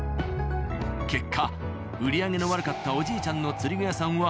結果売り上げの悪かったおじいちゃんの釣り具屋さんは。